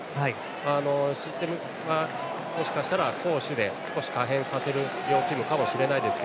システムはもしかしたら攻守で少し可変させる両チームかもしれないですが。